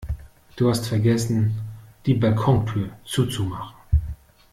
Du hast vergessen, die Balkontür zuzumachen.